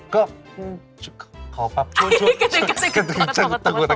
ก็ขอปรับชวน